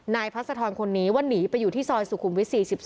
นายพระสะทอนคนนี้ว่าหนีไปอยู่ที่ซอยสุขุมวิสี๑๒